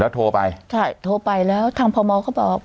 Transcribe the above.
แล้วโทรไปใช่โทรไปแล้วทางพมเขาบอก